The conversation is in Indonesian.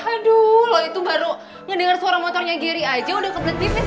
aduh lo itu baru ngedenger suara motornya gary aja udah kebel pipis